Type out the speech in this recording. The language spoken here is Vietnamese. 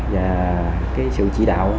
và sự chỉ đạo